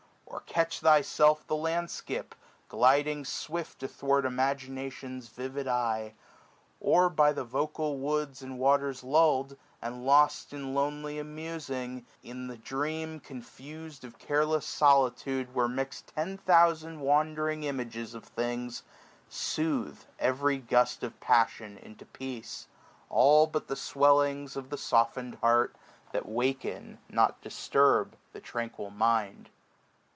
Or catch thyself the landskip, gliding swift 455 Athwart imagination's vivid eye : Or by the vocal woods and waters luUM, And lost in lonely musing, in the dream, Confus'd, of careless solitude, where mix Ten thousand wandering images of things, 460 Soothe every gust of passion into peace ; SPRING. i^ All bat the swellings of the soften'd heart. That waken, not disturb, the tranquil mind.